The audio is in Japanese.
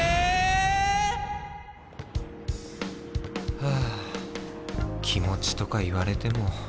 ⁉ハァ気持ちとか言われても。